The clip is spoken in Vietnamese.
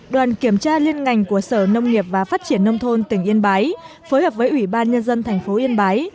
đoàn kiểm tra liên ngành của sở nông nghiệp và phát triển nông thôn tỉnh yên bái phối hợp với ủy ban nhân dân thành phố yên bái